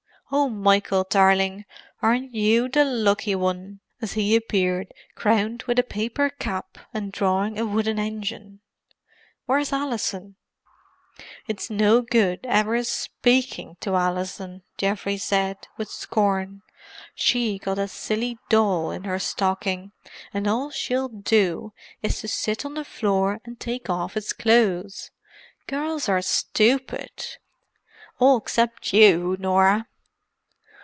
"Oh, Michael, darling, aren't you the lucky one!" as he appeared crowned with a paper cap and drawing a wooden engine. "Where's Alison?" "It's no good ever speaking to Alison," Geoffrey said, with scorn. "She got a silly doll in her stocking, and all she'll do is to sit on the floor and take off its clothes. Girls are stupid—all 'cept you, Norah!"